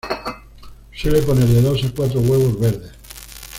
Suele poner de dos a cuatro huevos verdes.